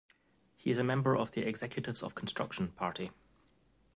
He is a member of the Executives of Construction Party.